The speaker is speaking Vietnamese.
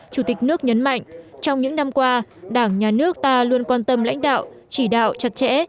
chủ tịch nước nhấn mạnh trong những năm qua đảng nhà nước ta luôn quan tâm lãnh đạo chỉ đạo chặt chẽ